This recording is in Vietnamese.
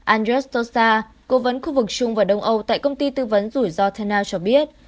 andres tosa cố vấn khu vực trung và đông âu tại công ty tư vấn rủi ro tanao cho biết